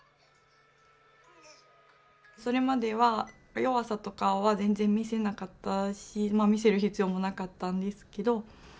それまでは弱さとかは全然見せなかったしまあ見せる必要もなかったんですけど。